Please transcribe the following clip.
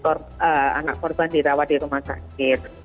anak korban dirawat di rumah sakit